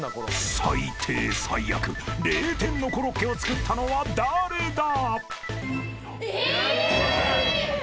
［最低最悪０点のコロッケを作ったのは誰だ？］え！？